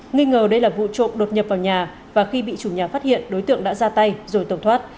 nghi ngờ đây là vụ trộm đột nhập vào nhà và khi bị chủ nhà phát hiện đối tượng đã ra tay rồi tổng thoát